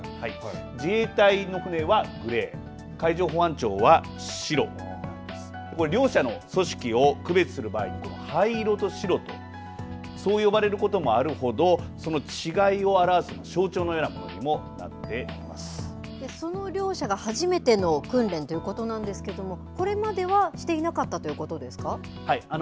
自衛隊の船はグレー海上保安庁は白なんですよ。両者の組織を区別する場合灰色と白そう呼ばれることもあるほどその違いを表す象徴のようなその両者が初めての訓練ということなんですけれどもこれまではしていなかったということですか。